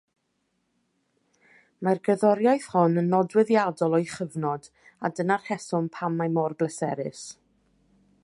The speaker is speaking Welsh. Mae'r gerddoriaeth hon yn nodweddiadol o'i chyfnod a dyna'r rheswm pam mae mor bleserus.